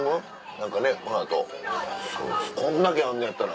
何かねこの後こんだけあんのやったら。